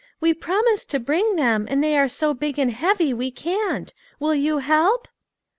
" We promised to bring them, and they are so big and heavy we can't. Will you help